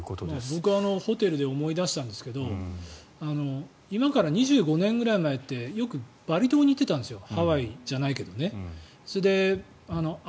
僕、ホテルで思い出したんですけど今から２５年ぐらい前ってよくバリ島に行ってたんですよ。